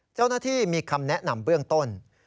เจ้าหน้าที่มีคำแนะนำเบื้องต้น